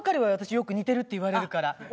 私よく似てるって言われるから。